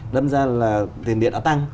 lâm ra là tiền điện nó tăng